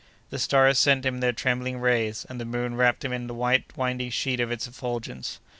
The stars sent him their trembling rays, and the moon wrapped him in the white winding sheet of its effulgence.